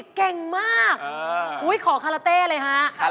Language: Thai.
ถูกกว่าถูกกว่าถูกกว่าถูกกว่าถูกกว่า